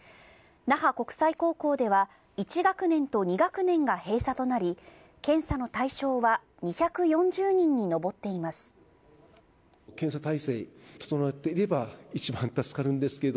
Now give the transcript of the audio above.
那覇国際高校では、１学年と２学年が閉鎖となり、検査の対象は２４０人に上っています。